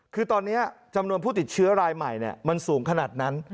คือตอนนี้จำนวนผู้ติดเชื้อรายใหม่มันสูงขนาดนั้น